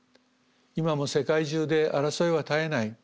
今も世界中で争いは絶えない。